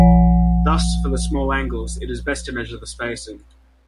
Thus, for the small angles, it is best to measure the spacing.